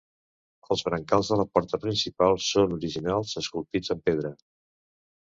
Els brancals de la porta principal són originals esculpits en pedra.